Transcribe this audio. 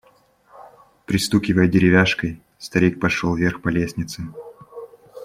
Пристукивая деревяшкой, старик пошел вверх по лестнице.